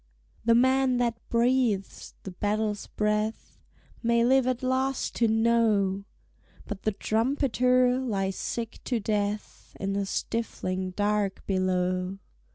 The man that breathes the battle's breath May live at last to know; But the trumpeter lies sick to death In the stifling dark below.